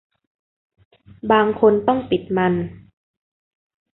บางคนต้องปิดมัน